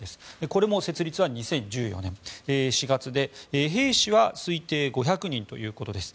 これも設立は２０１４年４月で兵士は推定５００人ということです。